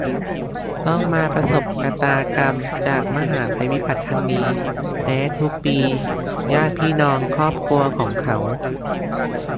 ต้องมาประสบชะตากรรม จากมหาภัยพิบัติครั้งนี้ และ ทุกปีญาติ พี่ น้อง ครอบครัว ของเขา